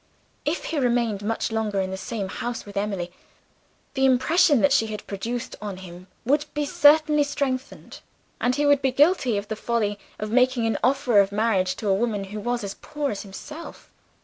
If he remained much longer in the same house with Emily, the impression that she had produced on him would be certainly strengthened and he would be guilty of the folly of making an offer of marriage to a woman who was as poor as himself.